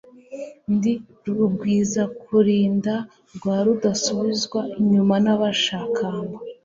Ndi Rugwizakulinda rwa mudasubizwa inyuma n'abashakamba.